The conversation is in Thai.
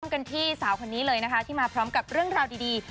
กันที่สาวคนนี้เลยนะคะที่มาพร้อมกับเรื่องราวดี